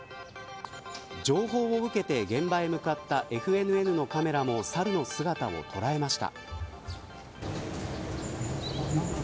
情報を受けて現場へ向かったＦＮＮのカメラもサルの姿を捉えました。